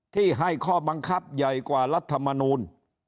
ที่ให้ข้อบังคับใหญ่กว่ารัฐมนูล